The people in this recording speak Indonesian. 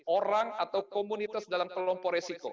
orang atau komunitas dalam kelompok resiko